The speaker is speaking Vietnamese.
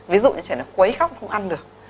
ví dụ như trẻ nó quấy khóc không ăn được